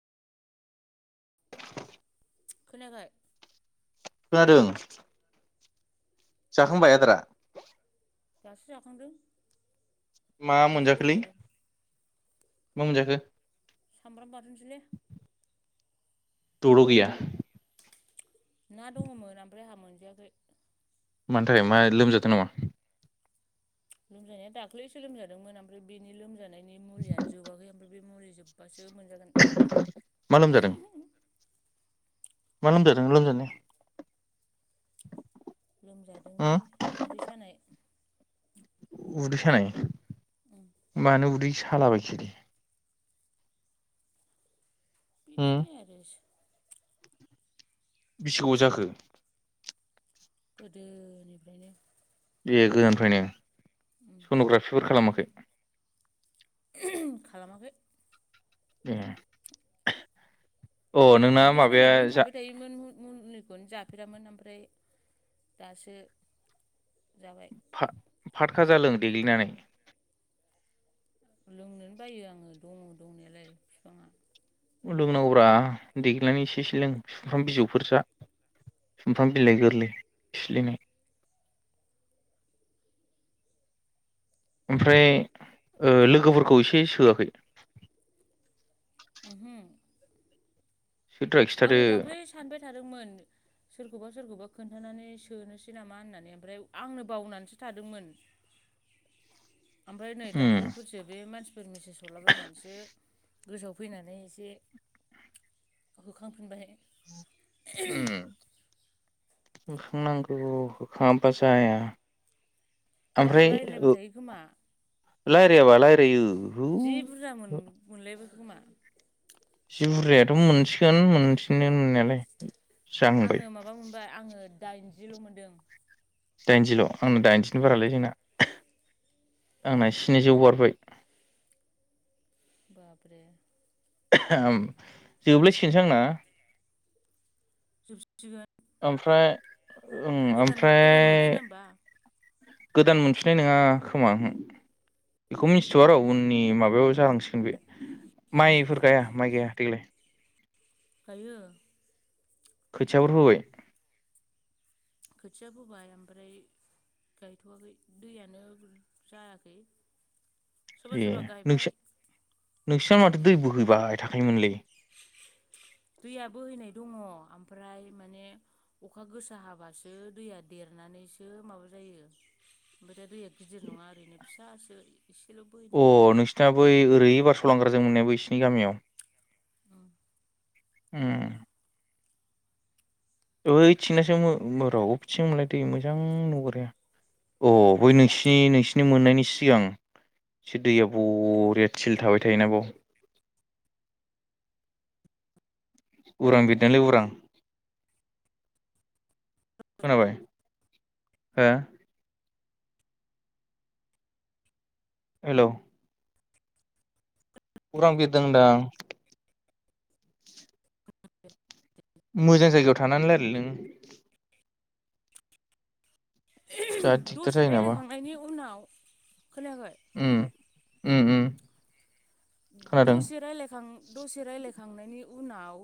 [inaudible] खोनायाखै? खोनादों। जाखांबाय आदारा? दासो जाखांदों। मा जाखांनानै गय मोनजाखोलै? जादों मा मोनजाखो? सामब्राम बाथोनसोलै। द' द' गैया? ना दङमोन ओमफ्राय आंहा मोन जायाखै। मानि थाखाय मा लोमजादों नामा? लोमजानाया दाख्लैसो लोमजादोंमोन ओमफ्राय बेनि लोमजानाय नि मुलियानो जाबाखै ओमफ्राय बे मुलि जोबबासो जो मोनजागोन [inaudible] मा लोमजादों मा लोमजादों लोमजानाया? लोमजादोंलै उदै सानाय। उदै सानाय उम मानो उदै सालाबायखोदे। उम बिदिनो आरो सो बिसि गोबाव जाखो? गोदोनिफ्रायनो। ए गोदोनिफ्रायनो। सन'ग्राफिफोर खालामाखै? दे। खालामाखै। ए। नोंना उदै माबाया सानायखौनो जा थाबाय थायोमोन [unintelligible] बेखौनो जाफेरामोन ओमफ्राय दासो जाबाय। फा फातखाजालों देग्लिनानै। लोंनोनो बायो आङो दङ' दंनायालाय बिफाङा। लोंनांगौब्रा देग्लिनानै एसे एसे लों सुमफ्राम बिजौफोर जा सुमफ्राम बिलाइ गोरलै सिलिनाय। ओमफ्राय ओ लोगोफोरखौ एसे सोआखै? ओहो। सोद्रा खिथादो आङो दाख्लै सानबाय थादोंमोन। सोरखौबा सोरखौबा खोन्थानानै सोनोसै नामा होननानै ओमफ्राय आंनो बावनानैसो थादोंमोन। ओमफ्राय नै उम दाख्लैफोरसो बे मानसि सोर मेसेज हरलाबायनानैसो गोसोआव फैनानै एसे होखांफिनबायहाय। उम। होखां नांगौ होखाङाबा जाया गावस्रा रायलायबाय थायो खोमा लायरायाबा लाय जि बुरजा मोन मोनलायबाय खोमा जि बुरजायाथ' मोनसि गोन मोनथिगोन मोननायालाय जाहांबाय। आङो माबा मोनबाय आङो दाइनजिल' मोनदों दाइनजिल' आंना दाइनजिनि उम बारालै जोंना आंना स्निजौ बारबाय बाब्रे जोबलायसिगोनसो आंना जोबसिगोन ओमफ्राय ओं गोदान ओमफ्राय गोदान मोनफिना होमबा? गोदान मोनफिननाय नङा खोमा उहोम बेखौ मिथिथ'आ र' उननि माबायाव जालांसिगोन बे माइफोर गाया माइ गाया देग्लाय? गायो खोथियाफोर फोबाय? खोथियाफोबाय ओमफ्राय गायथ'वाखै दैयानो जायाखै सोरबा ए सोरबा गायबाय नोंसा नोंसा माथो दैबो बोहैबाय थाखोयोमोनलाय दैया बोहैनाय दङ ओमफ्राय माने अखा गोसा हाबासो दैया देरनानैसो माबा जायो ओमफ्राय दा दैया गिदिर नङा ओरैनो फिसासो एसेल' बोहैनाय अ नोंसिना बै ओरै बारस लांग्राजों मोनना बिसिनि गामियाव उम ओइथिंनासो र' अबेथिंमोनलाय दै मोजां नुग्राया अ बै नोंसिनि नोंसिनि मोननायनि सिगां एसे दैया बरिया थिल थाबाय थायोना बाव उरां गेटनालै उरां [inaudible] खोनाबाय हो हेल' उरां बिरदों होनदां मोजां जायगायाव थानानै रायलाय नों जा दिगदार दसे जायो नामा रायज्लायखांनायनि उनाव खोनायाखै उम उम उम खोनादों दसे रायलायखां दसे रायलाय खांनायनि उनाव